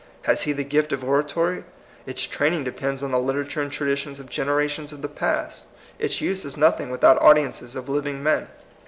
Has he the gift of oratory ? Its training depends on the liter ature and traditions of generations of the past. Its use is nothing without audiences of living men.